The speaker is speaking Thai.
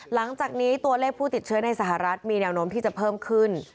หลังจากนี้ตัวเลขผู้ติดเชื้อในสหรัฐมีแนวโน้มที่จะเพิ่มขึ้น